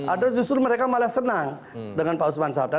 atau justru mereka malah senang dengan pak usman sabta